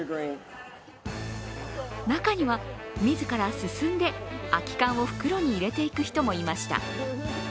中には、自ら進んで空き缶を袋に入れていく人もいました。